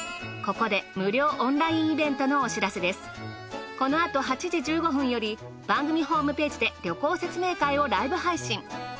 このあと８時１５分より番組ホームページで旅行説明会をライブ配信。